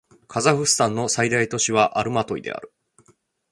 カザフスタンの最大都市はアルマトイである